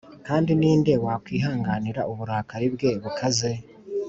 Kandi ni nde wakwihanganira uburakari bwe bukaze?